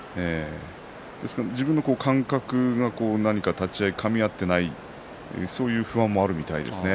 自分の感覚が、何か立ち合いかみ合っていないそういう不安もあるみたいですね。